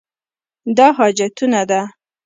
دا حاجتونه ده.